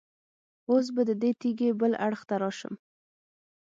اوس به د دې تیږې بل اړخ ته راشم.